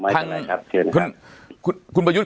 ทั้งคุณพระยุธ